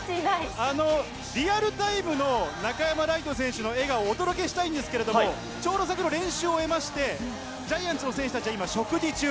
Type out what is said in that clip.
リアルタイムの中山礼都選手の笑顔、お届けしたいんですけども、ちょうど先ほど、れんしゅうをおえましてジャイアンツの選手たちは今、食事中。